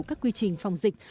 các quy trình phòng dịch